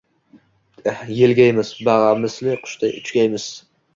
Yelgaymiz, bamisli qushday uchgaymiz!”